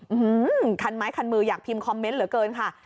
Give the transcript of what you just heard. อืมคันไม้คันมืออยากพิมพ์คอมเมนต์เหลือเกินค่ะ